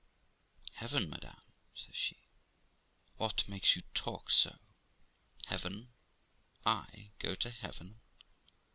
'Heaven, madam!' says she. 'What makes you talk so? Heaven! I go to heaven